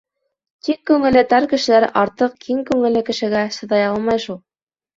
Тик күңеле тар кешеләр артыҡ киң күңелле кешегә сыҙай алмай шул.